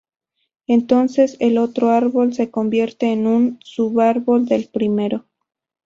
Entonces el otro árbol se convierte en un subárbol del primero.